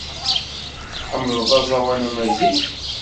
Tḥemmleḍ aẓawan amaziɣ?